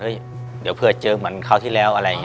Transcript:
เดี๋ยวเผื่อเจอเหมือนคราวที่แล้ว